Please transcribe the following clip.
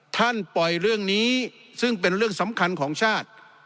ปล่อยเรื่องนี้ซึ่งเป็นเรื่องสำคัญของชาติ